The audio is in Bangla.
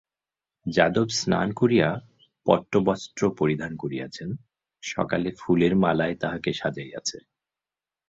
যাদব স্নান করিয়া পট্টবস্ত্র পরিধান করিয়াছেন, সকালে ফুলের মালায় তাহাকে সাজাইয়াছে।